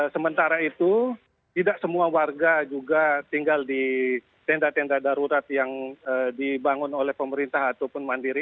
sementara itu tidak semua warga juga tinggal di tenda tenda darurat yang dibangun oleh pemerintah ataupun mandiri